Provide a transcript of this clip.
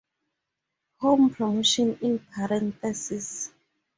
"Home promotion in parenthesis"